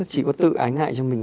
mặc dù nói chuyện rất là ngắn